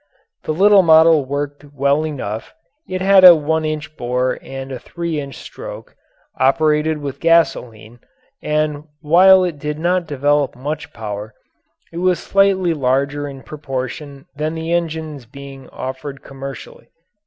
The little model worked well enough; it had a one inch bore and a three inch stroke, operated with gasoline, and while it did not develop much power, it was slightly lighter in proportion than the engines being offered commercially.